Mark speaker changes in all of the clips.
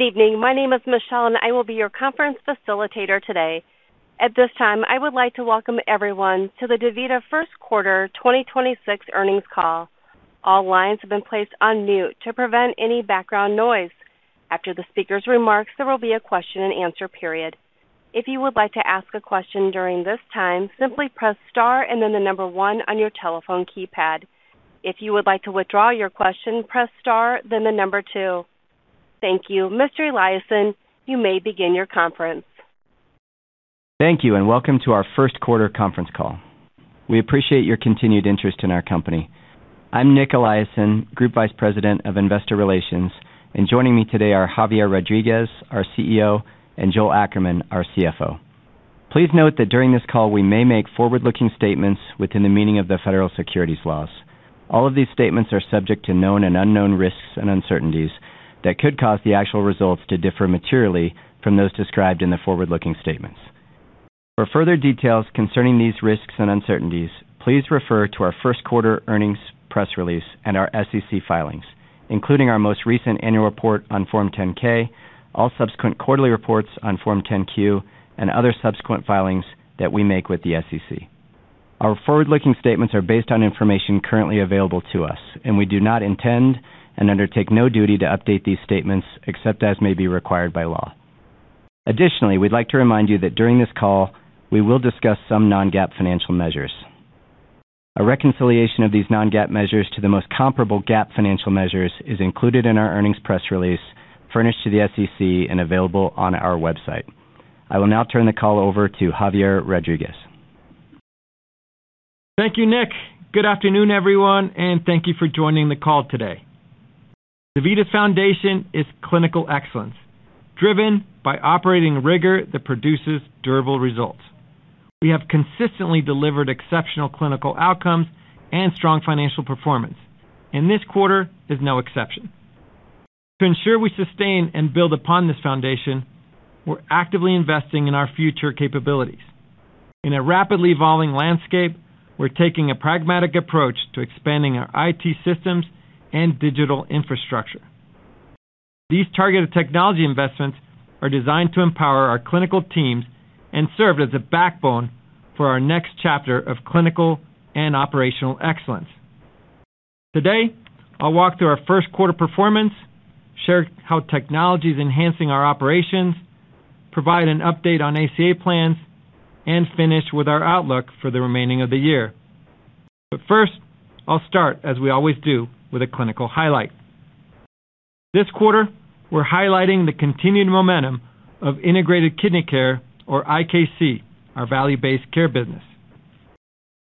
Speaker 1: Good evening. My name is Michelle, and I will be your conference facilitator today. At this time, I would like to welcome everyone to the DaVita first quarter 2026 earnings call. All lines have been placed on mute to prevent any background noise. After the speaker's remarks, there will be a question-and-answer period. If you would like to ask a question during this time, simply press star and then the number one on your telephone keypad. If you would like to withdraw your question, press star, then the number two. Thank you. Mr. Eliason, you may begin your conference.
Speaker 2: Thank you. Welcome to our first quarter conference call. We appreciate your continued interest in our company. I'm Nic Eliason, Group Vice President of Investor Relations, and joining me today are Javier Rodriguez, our CEO, and Joel Ackerman, our CFO. Please note that during this call, we may make forward-looking statements within the meaning of the federal securities laws. All of these statements are subject to known and unknown risks and uncertainties that could cause the actual results to differ materially from those described in the forward-looking statements. For further details concerning these risks and uncertainties, please refer to our first quarter earnings press release and our SEC filings, including our most recent annual report on Form 10-K, all subsequent quarterly reports on Form 10-Q, and other subsequent filings that we make with the SEC. Our forward-looking statements are based on information currently available to us, and we do not intend and undertake no duty to update these statements except as may be required by law. Additionally, we'd like to remind you that during this call, we will discuss some non-GAAP financial measures. A reconciliation of these non-GAAP measures to the most comparable GAAP financial measures is included in our earnings press release furnished to the SEC and available on our website. I will now turn the call over to Javier Rodriguez.
Speaker 3: Thank you, Nic. Good afternoon, everyone, and thank you for joining the call today. DaVita's foundation is clinical excellence, driven by operating rigor that produces durable results. We have consistently delivered exceptional clinical outcomes and strong financial performance, and this quarter is no exception. To ensure we sustain and build upon this foundation, we're actively investing in our future capabilities. In a rapidly evolving landscape, we're taking a pragmatic approach to expanding our IT systems and digital infrastructure. These targeted technology investments are designed to empower our clinical teams and serve as a backbone for our next chapter of clinical and operational excellence. Today, I'll walk through our first quarter performance, share how technology is enhancing our operations, provide an update on ACA plans, and finish with our outlook for the remaining of the year. First, I'll start, as we always do, with a clinical highlight. This quarter, we're highlighting the continued momentum of Integrated Kidney Care, or IKC, our value-based care business.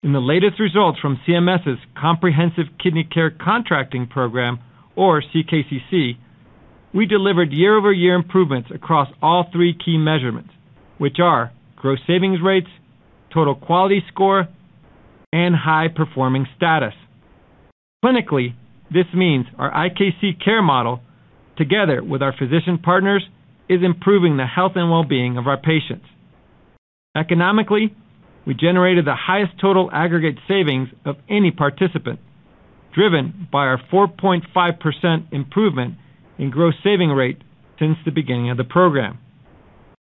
Speaker 3: In the latest results from CMS's Comprehensive Kidney Care Contracting Program, or CKCC, we delivered year-over-year improvements across all three key measurements, which are gross savings rates, total quality score, and high-performing status. Clinically, this means our IKC care model, together with our physician partners, is improving the health and wellbeing of our patients. Economically, we generated the highest total aggregate savings of any participant, driven by our 4.5% improvement in gross saving rate since the beginning of the program.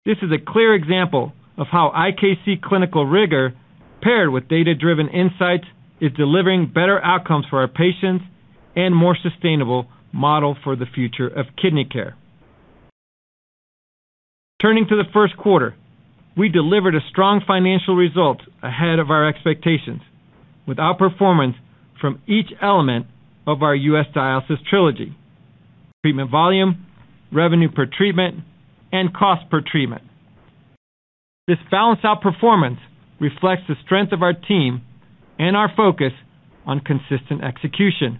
Speaker 3: This is a clear example of how IKC clinical rigor paired with data-driven insights is delivering better outcomes for our patients and more sustainable model for the future of kidney care. Turning to the first quarter, we delivered a strong financial result ahead of our expectations with outperformance from each element of our U.S. dialysis trilogy: treatment volume, revenue per treatment, and cost per treatment. This balanced outperformance reflects the strength of our team and our focus on consistent execution.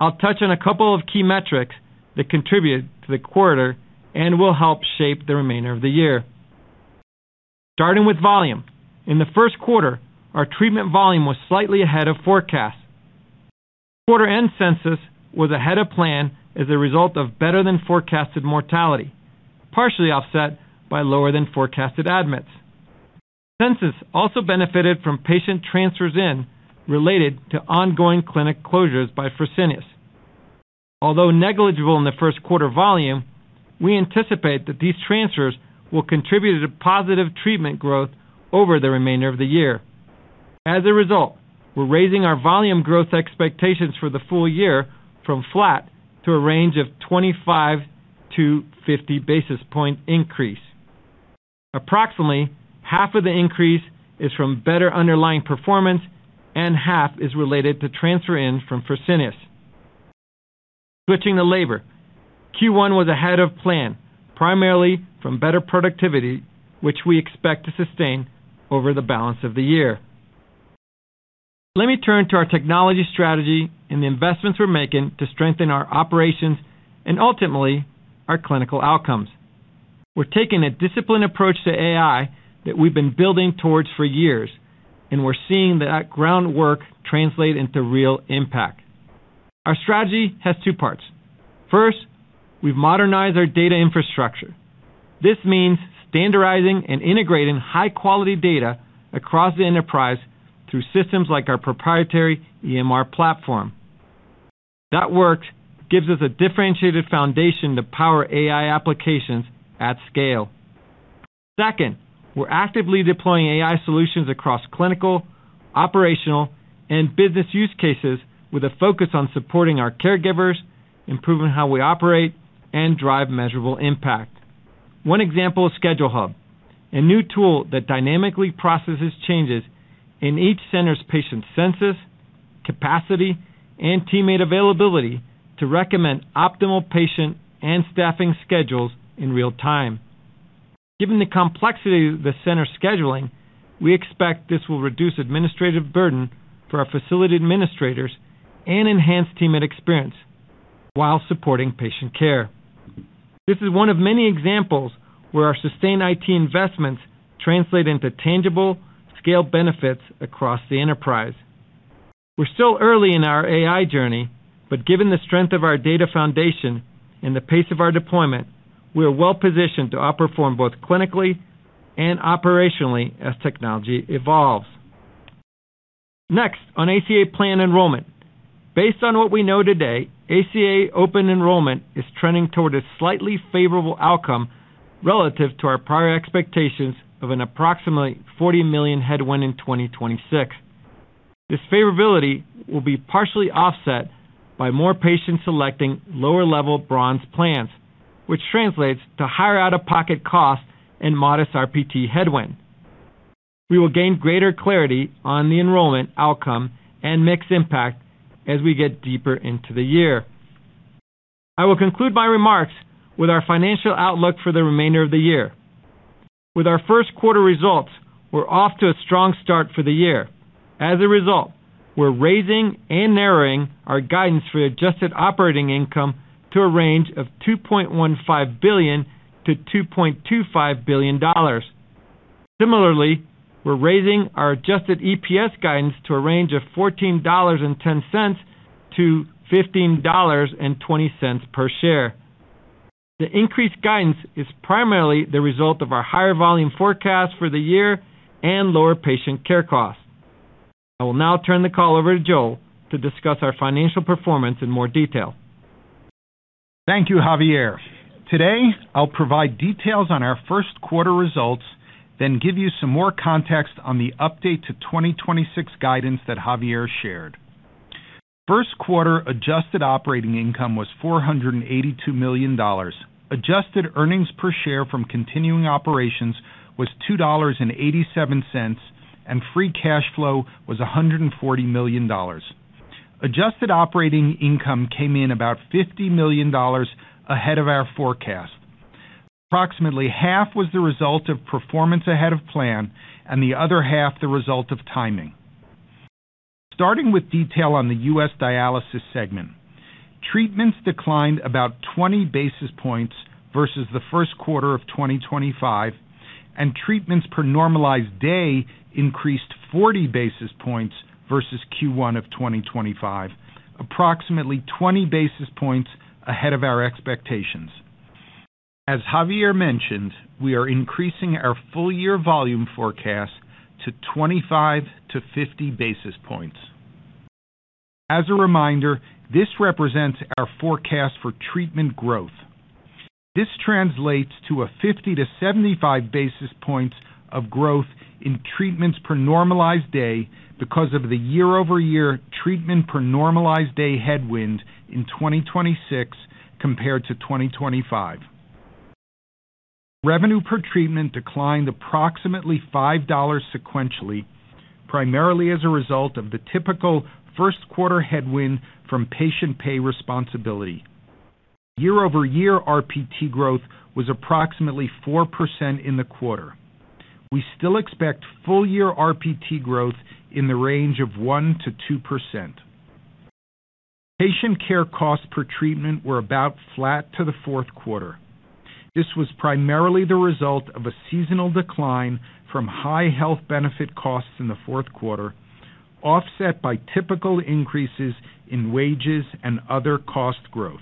Speaker 3: I'll touch on a couple of key metrics that contribute to the quarter and will help shape the remainder of the year. Starting with volume. In the first quarter, our treatment volume was slightly ahead of forecast. Quarter end census was ahead of plan as a result of better than forecasted mortality, partially offset by lower than forecasted admits. Census also benefited from patient transfers in related to ongoing clinic closures by Fresenius. Although negligible in the first quarter volume, we anticipate that these transfers will contribute to positive treatment growth over the remainder of the year. As a result, we're raising our volume growth expectations for the full year from flat to a range of 25-50 basis point increase. Approximately half of the increase is from better underlying performance, half is related to transfer in from Fresenius. Switching to labor. Q1 was ahead of plan, primarily from better productivity, which we expect to sustain over the balance of the year. Let me turn to our technology strategy and the investments we're making to strengthen our operations and ultimately our clinical outcomes. We're taking a disciplined approach to AI that we've been building towards for years, we're seeing that groundwork translate into real impact. Our strategy has two parts. First, we've modernized our data infrastructure. This means standardizing and integrating high-quality data across the enterprise through systems like our proprietary EMR platform. That work gives us a differentiated foundation to power AI applications at scale. Second, we're actively deploying AI solutions across clinical, operational, and business use cases with a focus on supporting our caregivers, improving how we operate, and drive measurable impact. One example is Schedule Hub, a new tool that dynamically processes changes in each center's patient census, capacity, and teammate availability to recommend optimal patient and staffing schedules in real time. Given the complexity of the center scheduling, we expect this will reduce administrative burden for our facility administrators and enhance teammate experience while supporting patient care. This is one of many examples where our sustain IT investments translate into tangible scale benefits across the enterprise. We're still early in our AI journey, but given the strength of our data foundation and the pace of our deployment, we are well-positioned to outperform both clinically and operationally as technology evolves. On ACA plan enrollment. Based on what we know today, ACA open enrollment is trending toward a slightly favorable outcome relative to our prior expectations of an approximately $40 million headwind in 2026. This favorability will be partially offset by more patients selecting lower-level bronze plans, which translates to higher out-of-pocket costs and modest RPT headwind. We will gain greater clarity on the enrollment outcome and mix impact as we get deeper into the year. I will conclude my remarks with our financial outlook for the remainder of the year. With our first quarter results, we're off to a strong start for the year. We're raising and narrowing our guidance for adjusted operating income to a range of $2.15 billion-$2.25 billion. Similarly, we're raising our adjusted EPS guidance to a range of $14.10-$15.20 per share. The increased guidance is primarily the result of our higher volume forecast for the year and lower patient care costs. I will now turn the call over to Joel to discuss our financial performance in more detail.
Speaker 4: Thank you, Javier. Today, I'll provide details on our first quarter results, then give you some more context on the update to 2026 guidance that Javier shared. First quarter adjusted operating income was $482 million. Adjusted earnings per share from continuing operations was $2.87, and free cash flow was $140 million. Adjusted operating income came in about $50 million ahead of our forecast. Approximately half was the result of performance ahead of plan and the other half the result of timing. Starting with detail on the U.S. dialysis segment. Treatments declined about 20 basis points versus the first quarter of 2025, and treatments per normalized day increased 40 basis points versus Q1 of 2025, approximately 20 basis points ahead of our expectations. As Javier mentioned, we are increasing our full year volume forecast to 25-50 basis points. As a reminder, this represents our forecast for treatment growth. This translates to a 50-75 basis points of growth in treatments per normalized day because of the year-over-year treatment per normalized day headwind in 2026 compared to 2025. Revenue per treatment declined approximately $5 sequentially, primarily as a result of the typical first quarter headwind from patient pay responsibility. Year-over-year RPT growth was approximately 4% in the quarter. We still expect full year RPT growth in the range of 1%-2%. Patient care costs per treatment were about flat to the fourth quarter. This was primarily the result of a seasonal decline from high health benefit costs in the fourth quarter, offset by typical increases in wages and other cost growth.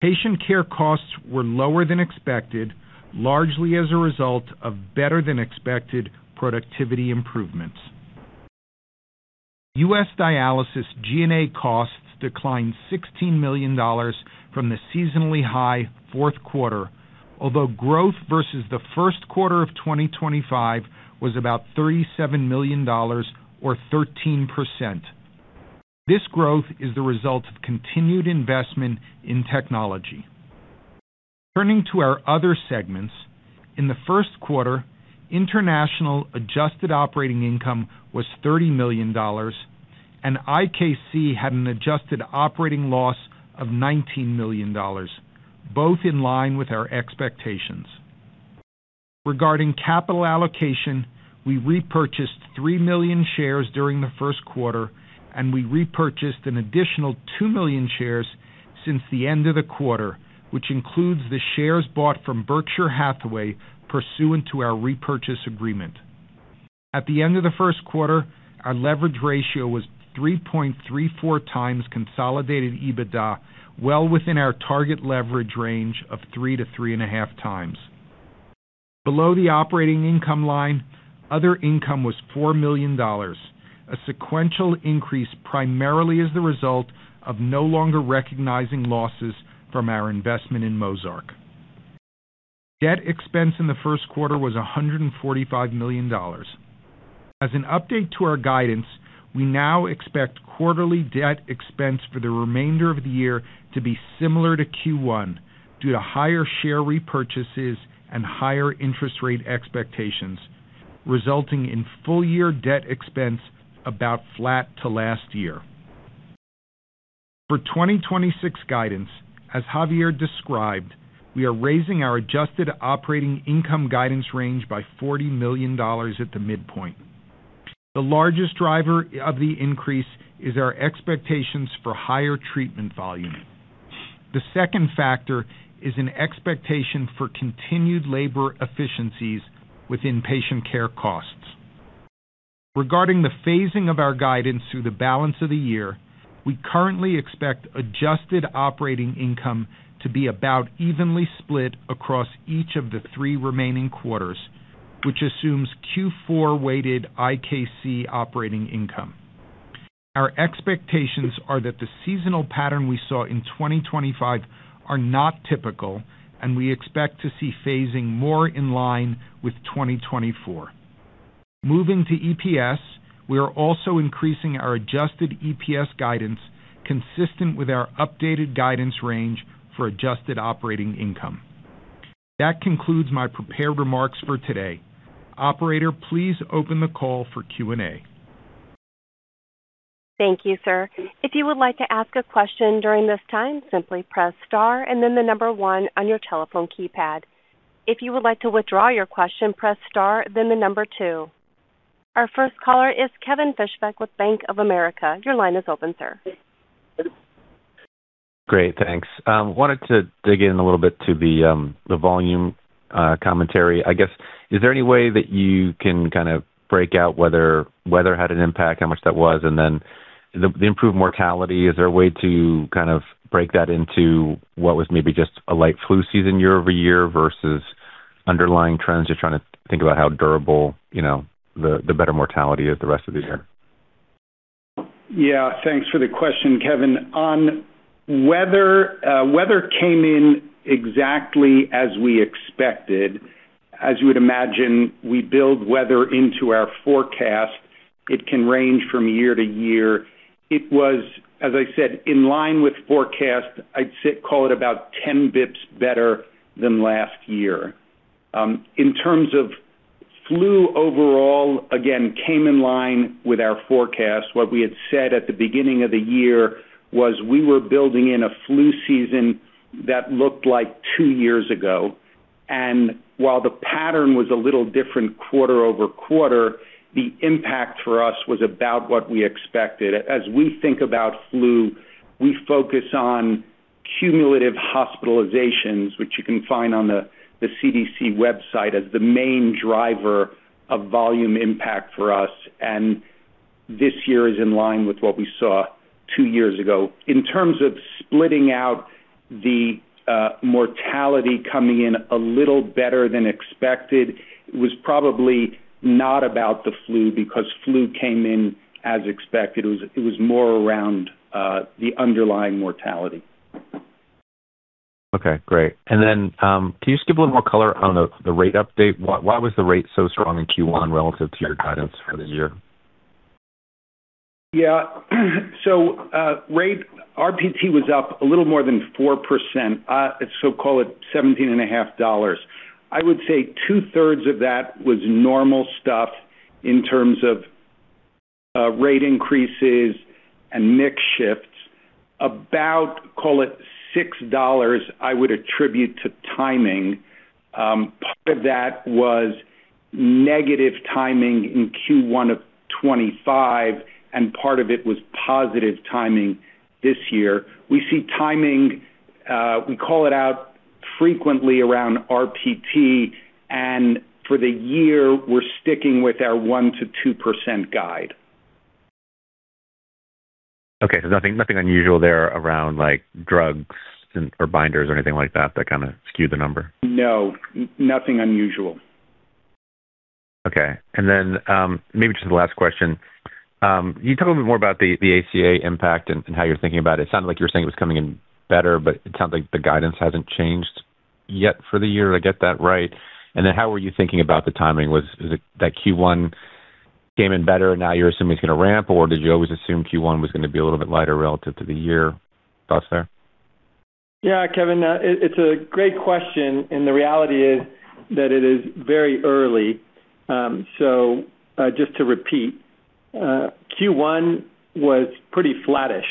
Speaker 4: Patient care costs were lower than expected, largely as a result of better than expected productivity improvements. U.S. dialysis G&A costs declined $16 million from the seasonally high fourth quarter, although growth versus the first quarter of 2025 was about $37 million or 13%. This growth is the result of continued investment in technology. Turning to our other segments, in the first quarter, international adjusted operating income was $30 million, and IKC had an adjusted operating loss of $19 million, both in line with our expectations. Regarding capital allocation, we repurchased 3 million shares during the first quarter, and we repurchased an additional 2 million shares since the end of the quarter, which includes the shares bought from Berkshire Hathaway pursuant to our repurchase agreement. At the end of the first quarter, our leverage ratio was 3.34x consolidated EBITDA, well within our target leverage range of 3x-3.5x. Below the operating income line, other income was $4 million, a sequential increase primarily as the result of no longer recognizing losses from our investment in Mozarc. Debt expense in the first quarter was $145 million. As an update to our guidance, we now expect quarterly debt expense for the remainder of the year to be similar to Q1 due to higher share repurchases and higher interest rate expectations, resulting in full-year debt expense about flat to last year. For 2026 guidance, as Javier described, we are raising our adjusted operating income guidance range by $40 million at the midpoint. The largest driver of the increase is our expectations for higher treatment volume. The second factor is an expectation for continued labor efficiencies with inpatient care costs. Regarding the phasing of our guidance through the balance of the year, we currently expect adjusted operating income to be about evenly split across each of the three remaining quarters, which assumes Q4 weighted IKC operating income. Our expectations are that the seasonal pattern we saw in 2025 are not typical. We expect to see phasing more in line with 2024. Moving to EPS, we are also increasing our adjusted EPS guidance consistent with our updated guidance range for adjusted operating income. That concludes my prepared remarks for today. Operator, please open the call for Q&A.
Speaker 1: Thank you, sir. If you would like to ask a question during this time, simply press star and then the number one on your telephone keypad. If you would like to withdraw your question, press star, then the number two. Our first caller is Kevin Fischbeck with Bank of America. Your line is open, sir.
Speaker 5: Great. Thanks. I wanted to dig in a little bit to the volume commentary. I guess, is there any way that you can kind of break out whether weather had an impact, how much that was? Then the improved mortality, is there a way to kind of break that into what was maybe just a light flu season year-over-year versus underlying trends? I'm just trying to think about how durable, you know, the better mortality is the rest of the year.
Speaker 4: Yeah. Thanks for the question, Kevin. On weather, came in exactly as we expected. As you would imagine, we build weather into our forecast. It can range from year-to-year. It was, as I said, in line with forecast. I'd say call it about 10 basis points better than last year. In terms of flu overall, again, came in line with our forecast. What we had said at the beginning of the year was we were building in a flu season that looked like two years ago. While the pattern was a little different quarter-over-quarter, the impact for us was about what we expected. As we think about flu, we focus on cumulative hospitalizations, which you can find on the CDC website, as the main driver of volume impact for us. This year is in line with what we saw two years ago. In terms of splitting out the mortality coming in a little better than expected, it was probably not about the flu because flu came in as expected. It was more around the underlying mortality.
Speaker 5: Okay, great. Can you just give a little more color on the rate update? Why was the rate so strong in Q1 relative to your guidance for the year?
Speaker 4: Rate, RPT was up a little more than 4%. Call it $17.5. I would say 2/3 of that was normal stuff in terms of rate increases and mix shifts. About, call it $6 I would attribute to timing. Part of that was negative timing in Q1 of 2025, and part of it was positive timing this year. We see timing, we call it out frequently around RPT, and for the year, we're sticking with our 1%-2% guide.
Speaker 5: Okay. Nothing, nothing unusual there around like drugs or binders or anything like that kind of skewed the number?
Speaker 4: No, nothing unusual.
Speaker 5: Okay. Maybe just the last question. Can you talk a bit more about the ACA impact and how you're thinking about it? It sounded like you were saying it was coming in better, but it sounds like the guidance hasn't changed yet for the year. Did I get that right? How were you thinking about the timing? Is it that Q1 came in better and now you're assuming it's gonna ramp, or did you always assume Q1 was gonna be a little bit lighter relative to the year? Thoughts there?
Speaker 3: Yeah. Kevin, it's a great question. The reality is that it is very early. Just to repeat, Q1 was pretty flattish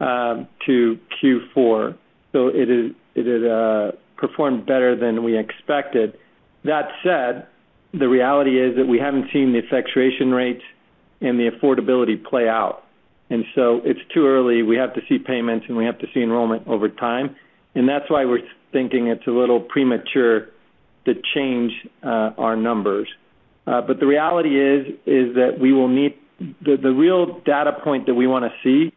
Speaker 3: to Q4, so it is performed better than we expected. That said, the reality is that we haven't seen the effectuation rate and the affordability play out. It's too early. We have to see payments, and we have to see enrollment over time. That's why we're thinking it's a little premature to change our numbers. But the reality is that we will need, the real data point that we wanna see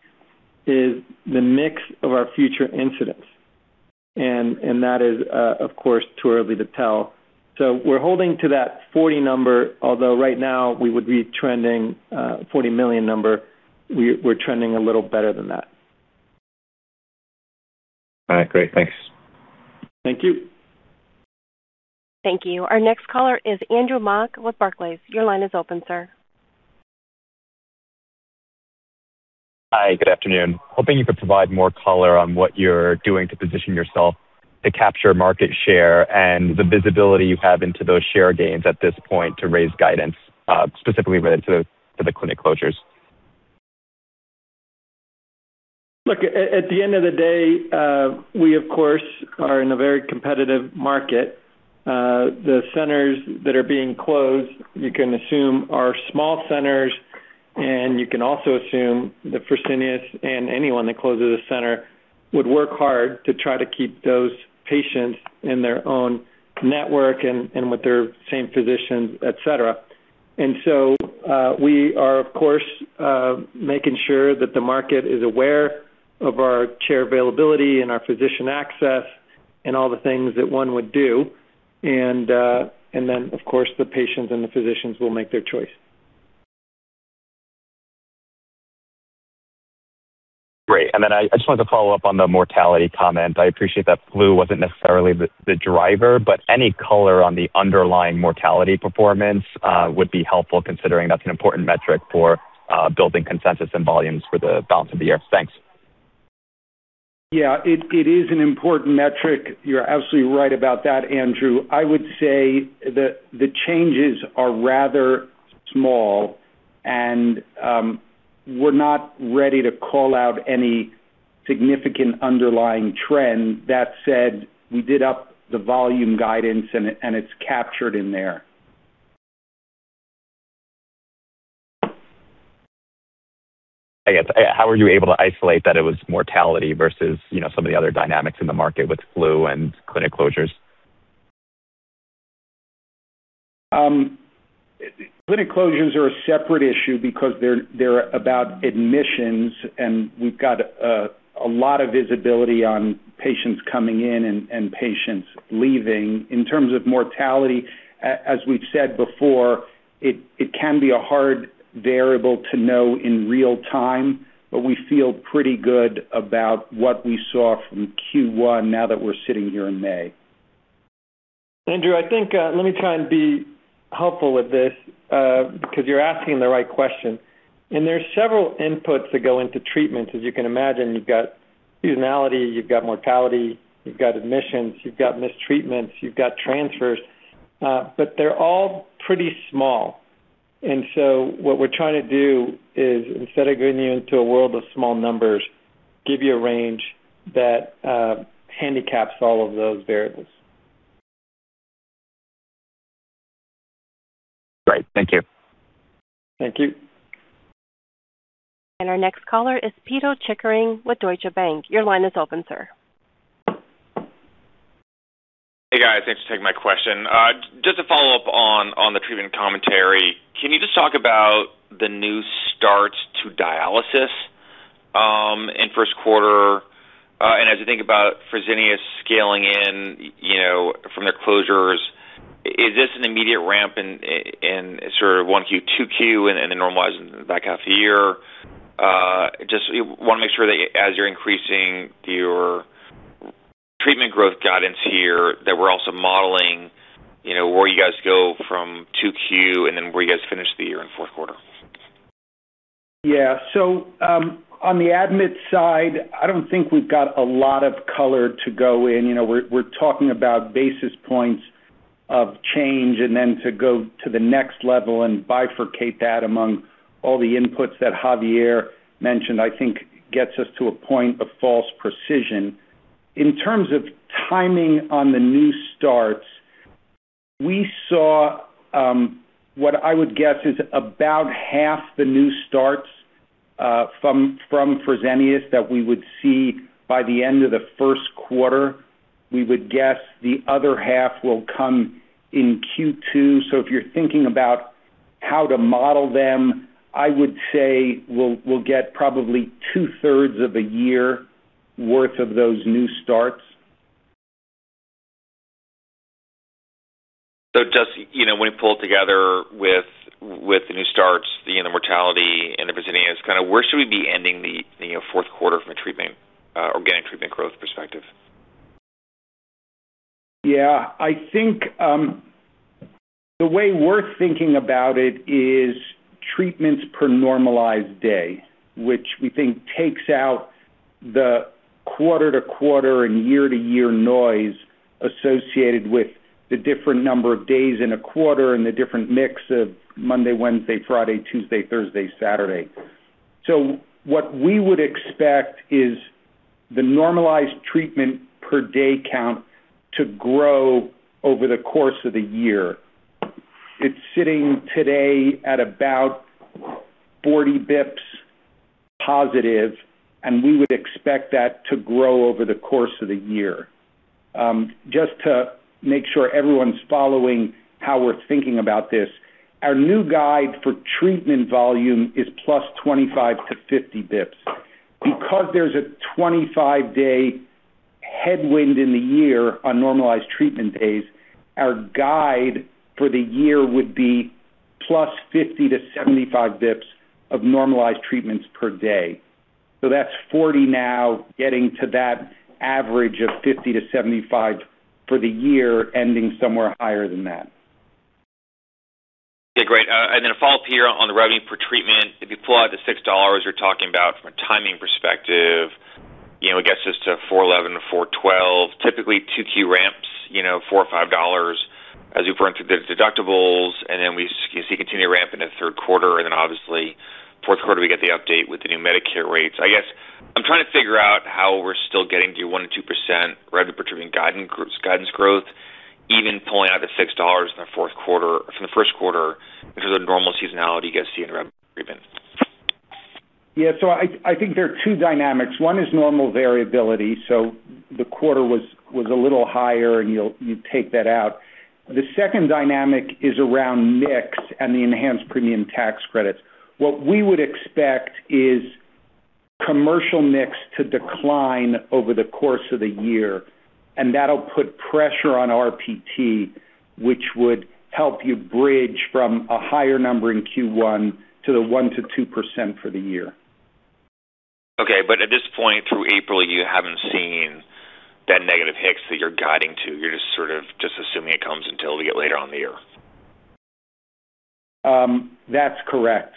Speaker 3: is the mix of our future incidents. That is, of course, too early to tell. We're holding to that 40 number, although right now we would be trending $40 million number. We're trending a little better than that.
Speaker 5: All right, great. Thanks.
Speaker 3: Thank you.
Speaker 1: Thank you. Our next caller is Andrew Mok with Barclays. Your line is open, sir.
Speaker 6: Hi, good afternoon. Hoping you could provide more color on what you're doing to position yourself to capture market share and the visibility you have into those share gains at this point to raise guidance, specifically related to the clinic closures.
Speaker 3: Look, at the end of the day, we, of course, are in a very competitive market. The centers that are being closed, you can assume are small centers, and you can also assume that Fresenius and anyone that closes a center would work hard to try to keep those patients in their own network and, with their same physicians, et cetera. We are, of course, making sure that the market is aware of our chair availability and our physician access and all the things that one would do. Of course, the patients and the physicians will make their choice.
Speaker 6: Great. I just wanted to follow up on the mortality comment. I appreciate that flu wasn't necessarily the driver, but any color on the underlying mortality performance would be helpful, considering that's an important metric for building consensus and volumes for the balance of the year. Thanks.
Speaker 4: It is an important metric. You're absolutely right about that, Andrew. I would say the changes are rather small, and we're not ready to call out any significant underlying trend. That said, we did up the volume guidance, and it's captured in there.
Speaker 6: I guess, how were you able to isolate that it was mortality versus, you know, some of the other dynamics in the market with flu and clinic closures?
Speaker 4: Clinic closures are a separate issue because they're about admissions, and we've got a lot of visibility on patients coming in and patients leaving. In terms of mortality, as we've said before, it can be a hard variable to know in real time, but we feel pretty good about what we saw from Q1 now that we're sitting here in May.
Speaker 3: Andrew, I think, let me try and be helpful with this, because you're asking the right question. There are several inputs that go into treatments. As you can imagine, you've got seasonality, you've got mortality, you've got admissions, you've got missed treatments, you've got transfers, but they're all pretty small. What we're trying to do is, instead of getting you into a world of small numbers, give you a range that handicaps all of those variables.
Speaker 6: Great. Thank you.
Speaker 3: Thank you.
Speaker 1: Our next caller is Pito Chickering with Deutsche Bank. Your line is open, sir.
Speaker 7: Hey, guys. Thanks for taking my question. Just to follow up on the treatment commentary, can you just talk about the new starts to dialysis in first quarter? As you think about Fresenius scaling in, you know, from their closures, is this an immediate ramp in sort of 1Q, 2Q, and then normalizing the back half of the year? Just wanna make sure that as you're increasing your treatment growth guidance here, that we're also modeling, you know, where you guys go from 2Q and then where you guys finish the year in fourth quarter?
Speaker 4: On the admit side, I don't think we've got a lot of color to go in. You know, we're talking about basis points of change and then to go to the next level and bifurcate that among all the inputs that Javier mentioned, I think gets us to a point of false precision. In terms of timing on the new starts, we saw what I would guess is about half the new starts from Fresenius that we would see by the end of the first quarter. We would guess the other half will come in Q2. If you're thinking about how to model them, I would say we'll get probably 2/3 of a year worth of those new starts.
Speaker 7: Just, you know, when you pull it together with the new starts, you know, the mortality and the Fresenius, kinda where should we be ending the, you know, fourth quarter from a treatment, organic treatment growth perspective?
Speaker 4: Yeah. I think the way we're thinking about it is treatments per normalized day, which we think takes out the quarter-to-quarter and year-to-year noise associated with the different number of days in a quarter and the different mix of Monday, Wednesday, Friday, Tuesday, Thursday, Saturday. What we would expect is the normalized treatment per day count to grow over the course of the year. It's sitting today at about 40 basis points positive, and we would expect that to grow over the course of the year. Just to make sure everyone's following how we're thinking about this, our new guide for treatment volume is +25-50 basis points. Because there's a 25-day headwind in the year on normalized treatment days, our guide for the year would be +50-75 basis points of normalized treatments per day. That's 40 basis points now getting to that average of 50-75 basis points for the year, ending somewhere higher than that.
Speaker 7: Okay, great. Then a follow-up here on the revenue per treatment. If you pull out the $6 you're talking about from a timing perspective, you know, it gets us to $411 or $412. Typically, two key ramps, you know, $4 or $5 as you burn through the deductibles, then we see continued ramp in the third quarter. Then obviously fourth quarter, we get the update with the new Medicare rates. I guess I'm trying to figure out how we're still getting to 1%-2% revenue per treatment guidance growth, even pulling out the $6 from the first quarter because of the normal seasonality you guys see in revenue treatment.
Speaker 4: I think there are two dynamics. One is normal variability. The quarter was a little higher, and you take that out. The second dynamic is around mix and the enhanced premium tax credits. What we would expect is commercial mix to decline over the course of the year, that'll put pressure on RPT, which would help you bridge from a higher number in Q1 to the 1%-2% for the year.
Speaker 7: Okay. At this point, through April, you haven't seen that negative hits that you're guiding to, you're just sort of just assuming it comes until you get later on the year?
Speaker 4: That's correct.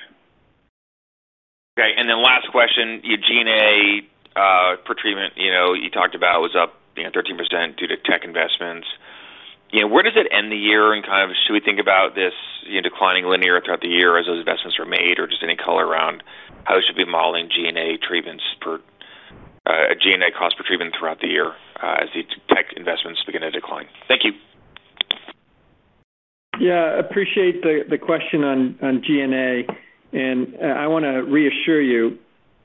Speaker 7: Okay. Last question. Your G&A per treatment, you know, you talked about was up, you know, 13% due to tech investments. You know, where does it end the year in, kind of should we think about this, you know, declining linear throughout the year as those investments are made or just any color around how we should be modeling G&A cost per treatment throughout the year as the tech investments begin to decline? Thank you.
Speaker 4: Appreciate the question on G&A. I want to reassure you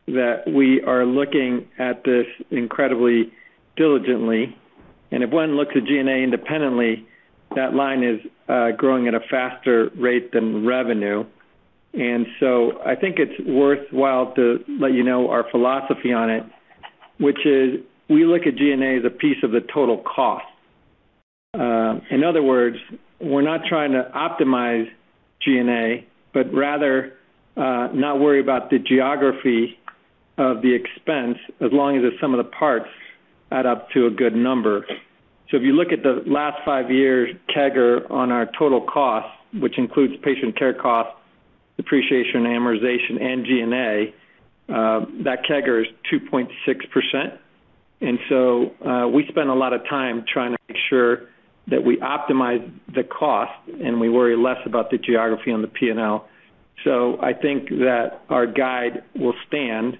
Speaker 4: that we are looking at this incredibly diligently. If one looks at G&A independently, that line is growing at a faster rate than revenue. I think it's worthwhile to let you know our philosophy on it, which is we look at G&A as a piece of the total cost. In other words, we're not trying to optimize G&A, but rather not worry about the geography of the expense as long as the sum of the parts add up to a good number. If you look at the last five years CAGR on our total cost, which includes patient care costs, depreciation, amortization, and G&A, that CAGR is 2.6%. We spend a lot of time trying to make sure that we optimize the cost, and we worry less about the geography on the P&L. I think that our guide will stand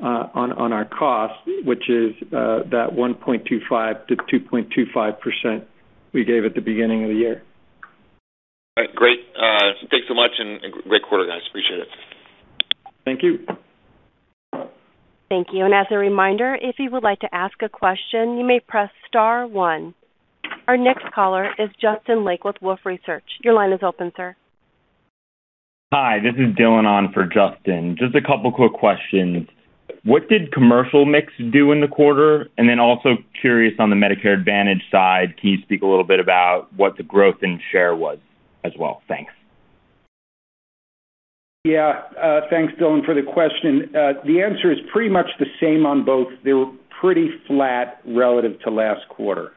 Speaker 4: on our cost, which is that 1.25%-2.25% we gave at the beginning of the year.
Speaker 7: All right. Great. Thanks so much and great quarter, guys. Appreciate it.
Speaker 4: Thank you.
Speaker 1: Thank you. As a reminder, if you would like to ask a question, you may press star one. Our next caller is Justin Lake with Wolfe Research. Your line is open, sir.
Speaker 8: Hi, this is Dillon on for Justin. Just a couple quick questions. What did commercial mix do in the quarter? Also curious on the Medicare Advantage side, can you speak a little bit about what the growth in share was as well? Thanks.
Speaker 4: Yeah. Thanks, Dillon, for the question. The answer is pretty much the same on both. They were pretty flat relative to last quarter.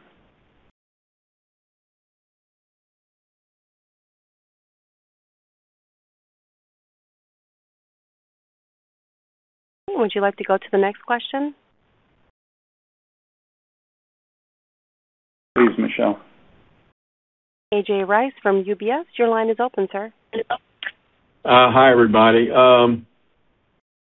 Speaker 1: Would you like to go to the next question?
Speaker 3: Please, Michelle.
Speaker 1: A.J. Rice from UBS, your line is open, sir.
Speaker 9: Hi, everybody.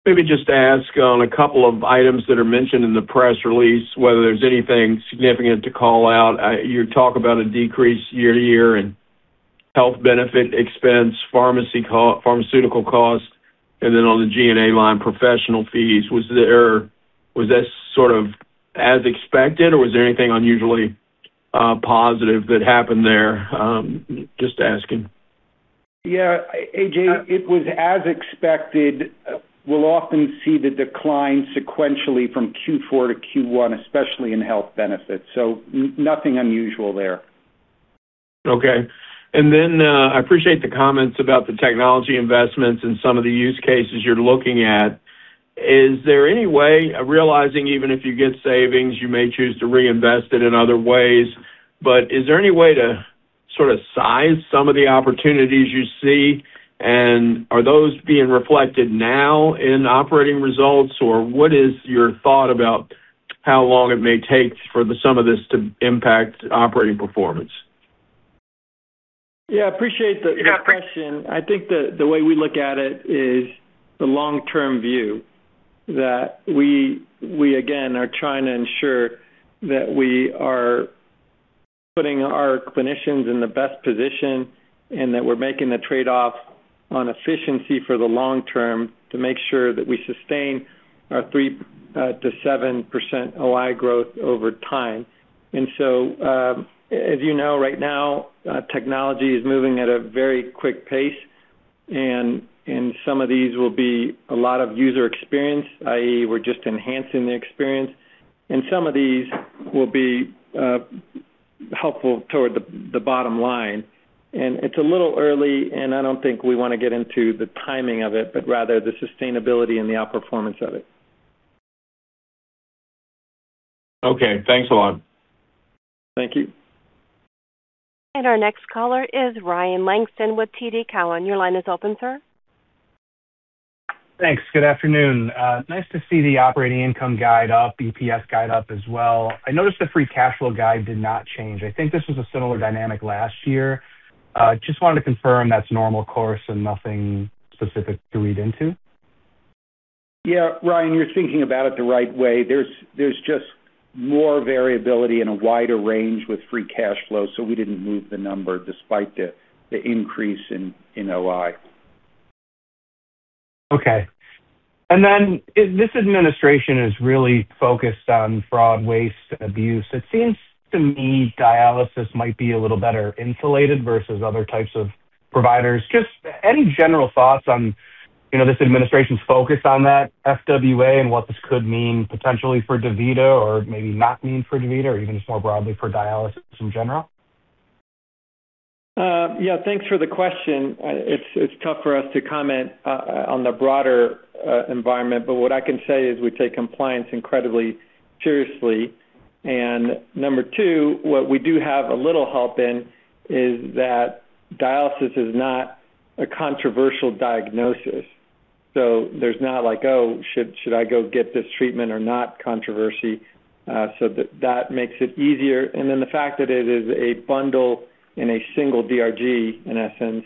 Speaker 9: Maybe just ask on a couple of items that are mentioned in the press release, whether there's anything significant to call out. You talk about a decrease year-to-year in health benefit expense, pharmaceutical cost, and then on the G&A line, professional fees. Was this sort of as expected, or was there anything unusually positive that happened there? Just asking.
Speaker 4: A.J., it was as expected. We'll often see the decline sequentially from Q4 to Q1, especially in health benefits. nothing unusual there.
Speaker 9: Okay. I appreciate the comments about the technology investments and some of the use cases you're looking at. Is there any way, realizing even if you get savings, you may choose to reinvest it in other ways, but is there any way to sort of size some of the opportunities you see? Are those being reflected now in operating results? What is your thought about how long it may take for the sum of this to impact operating performance?
Speaker 3: Yeah, appreciate the question. I think the way we look at it is the long-term view that we again are trying to ensure that we are putting our clinicians in the best position and that we're making the trade-off on efficiency for the long term to make sure that we sustain our 3%-7% OI growth over time. As you know, right now, technology is moving at a very quick pace, and some of these will be a lot of user experience, i.e., we're just enhancing the experience. Some of these will be helpful toward the bottom line. It's a little early, and I don't think we wanna get into the timing of it, but rather the sustainability and the outperformance of it.
Speaker 9: Okay. Thanks a lot.
Speaker 3: Thank you.
Speaker 1: Our next caller is Ryan Langston with TD Cowen. Your line is open, sir.
Speaker 10: Thanks. Good afternoon. Nice to see the operating income guide up, EPS guide up as well. I noticed the free cash flow guide did not change. I think this was a similar dynamic last year. Just wanted to confirm that's normal course and nothing specific to read into.
Speaker 3: Yeah. Ryan, you're thinking about it the right way. There's just more variability and a wider range with free cash flow, so we didn't move the number despite the increase in OI.
Speaker 10: Okay. This administration is really focused on fraud, waste, and abuse. It seems to me dialysis might be a little better insulated versus other types of providers. Just any general thoughts on, you know, this administration's focus on that, FWA, and what this could mean potentially for DaVita or maybe not mean for DaVita or even just more broadly for dialysis in general?
Speaker 3: Yeah. Thanks for the question. It's tough for us to comment on the broader environment, but what I can say is we take compliance incredibly seriously. Number two, what we do have a little help in is that dialysis is not a controversial diagnosis. There's not like, oh, should I go get this treatment or not controversy. That makes it easier. The fact that it is a bundle in a single DRG, in essence,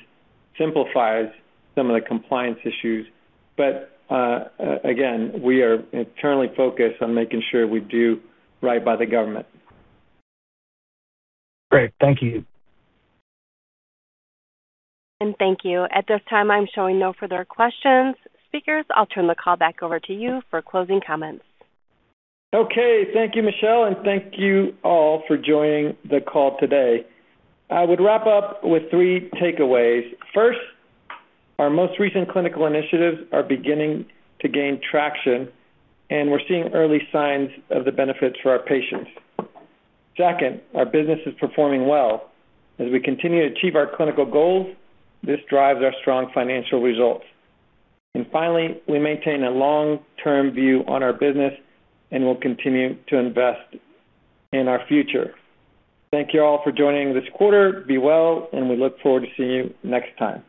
Speaker 3: simplifies some of the compliance issues. Again, we are internally focused on making sure we do right by the government.
Speaker 10: Great. Thank you.
Speaker 1: Thank you. At this time, I'm showing no further questions. Speakers, I'll turn the call back over to you for closing comments.
Speaker 3: Okay. Thank you, Michelle, and thank you all for joining the call today. I would wrap up with three takeaways. First, our most recent clinical initiatives are beginning to gain traction, and we're seeing early signs of the benefits for our patients. Second, our business is performing well. As we continue to achieve our clinical goals, this drives our strong financial results. Finally, we maintain a long-term view on our business, and we'll continue to invest in our future. Thank you all for joining this quarter. Be well, and we look forward to seeing you next time.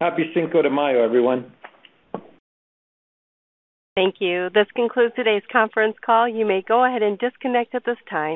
Speaker 3: Happy Cinco de Mayo, everyone.
Speaker 1: Thank you. This concludes today's conference call. You may go ahead and disconnect at this time.